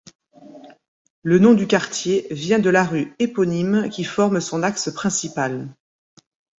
Le nom du quartier vient de la rue éponyme qui forme son axe principal.